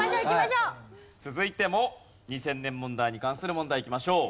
続いても２０００年問題に関する問題いきましょう。